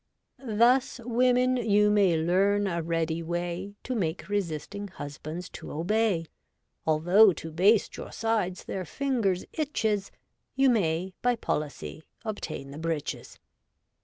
' Thus, women, yoit may ham a ready way To make resisting husbands to obey : Although to baste your sides their fingers itches. You may, by policy, obtain the breeches.